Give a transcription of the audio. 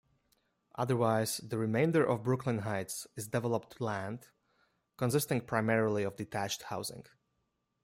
Otherwise, the remainder of Brooklyn Heights is developed land, consisting primarily of detached housing.